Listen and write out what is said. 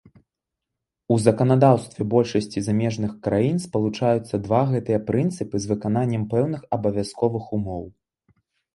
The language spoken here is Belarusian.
У заканадаўстве большасці замежных краін спалучаюцца два гэтыя прынцыпы з выкананнем пэўных абавязковых умоў.